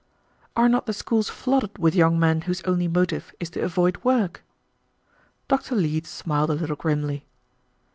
"Are not the schools flooded with young men whose only motive is to avoid work?" Dr. Leete smiled a little grimly.